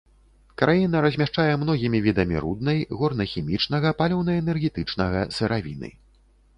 Краіна размяшчае многімі відамі руднай, горна-хімічнага, паліўна-энергетычнага сыравіны.